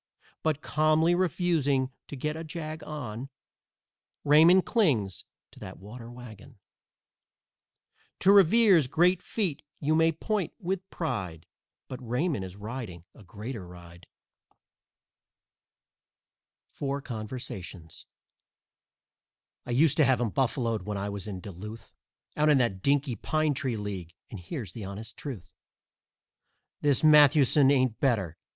But, calmly refusing to get a jag on, Raymond clings to that water wagon. To Revere's great feat you may point with pride, But Raymond is riding a greater ride. This is only a spring poem. FOUR CONVERSATIONS "I used to have 'em buffaloed when I was with Duluth, Out in that dinky pine tree league, and here's the honest truth: This Mathewson ain't better.